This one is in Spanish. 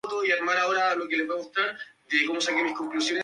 Se trata de dos edificios iguales, separados por un espacio estrecho.